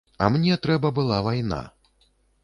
А мне трэба была вайна.